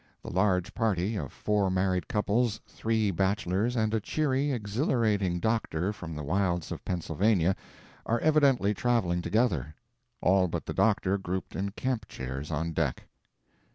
The large party, of four married couples, three bachelors, and a cheery, exhilarating doctor from the wilds of Pennsylvania, are evidently traveling together. All but the doctor grouped in camp chairs on deck.